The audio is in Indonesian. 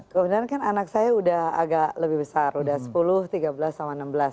kebetulan kan anak saya udah agak lebih besar udah sepuluh tiga belas sama enam belas